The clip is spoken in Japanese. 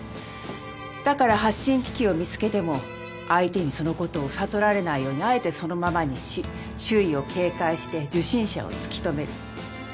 だから発信機器を見つけても相手にそのことを悟られないようにあえてそのままにし周囲を警戒して受信者を突き止める。